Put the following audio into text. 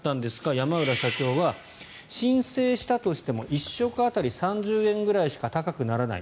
山浦社長は申請したとしても１食当たり３０円ぐらいしか高くならない。